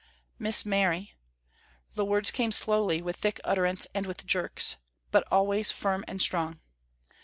"Miss Mary," the words came slowly with thick utterance and with jerks, but always firm and strong.